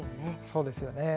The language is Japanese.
そうですよね。